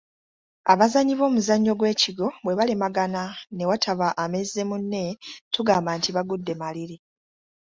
Abazannyi b’omuzannyo gw’ekigwo bwe balemagana ne wataba amezze munne, tugamba nti bagudde maliri.